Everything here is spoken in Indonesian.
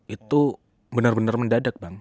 itu bener bener mendadak bang